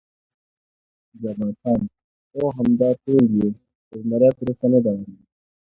جبار خان: هو، همدا ټول یو، خو زمري تراوسه نه دی راغلی.